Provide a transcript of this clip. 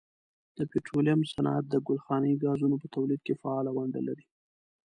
د پټرولیم صنعت د ګلخانهیي ګازونو په تولید کې فعاله ونډه لري.